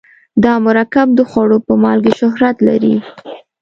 دا مرکب د خوړو په مالګې شهرت لري.